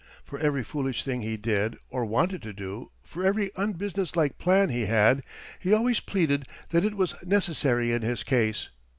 For every foolish thing he did, or wanted to do, for every unbusiness like plan he had, he always pleaded that it was necessary in his case.